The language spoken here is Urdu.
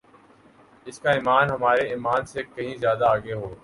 اس کا ایمان ہمارے ایمان سے کہین زیادہ آگے ہو